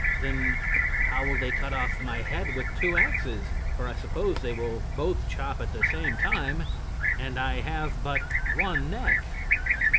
"Then how will they cut off my head with two axes? For I suppose they will both chop at the same time, and I have but one neck."